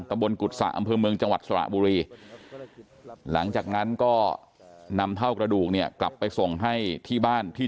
บนกุศะอำเภอเมืองจังหวัดสระบุรีหลังจากนั้นก็นำเท่ากระดูกเนี่ยกลับไปส่งให้ที่บ้านที่